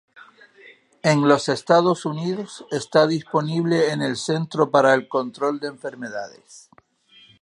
En los Estados Unidos está disponible en el Centro para el Control de Enfermedades.